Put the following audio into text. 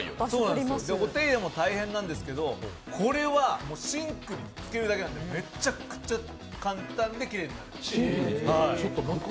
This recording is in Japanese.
お手入れも大変なんですけど、これはシンクにつけるだけなんでめっちゃくちゃ簡単で、きれいになります。